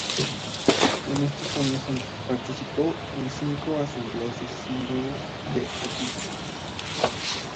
En esos años participó en cinco asambleas del Sínodo de los Obispos.